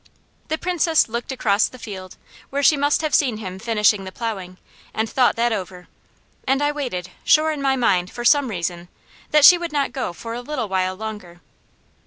The Princess looked across the field, where she must have seen him finishing the plowing, and thought that over, and I waited, sure in my mind, for some reason, that she would not go for a little while longer.